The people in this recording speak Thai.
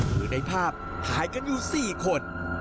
คือในภาพถ่ายกันอยู่๔คน